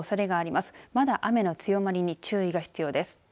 まだ雨の強まりに注意が必要です。